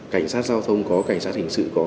cảnh sát giao thông có cảnh sát hình sự có